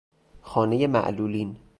خانهی معلولین